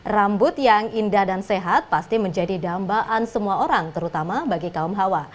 rambut yang indah dan sehat pasti menjadi dambaan semua orang terutama bagi kaum hawa